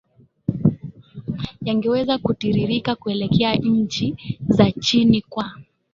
yangeweza kutiririka kuelekea nchi za chini kwa